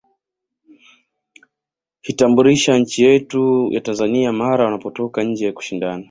Hitambulisha nchi yetu ya Tanzania mara wanapotoka nje kushindana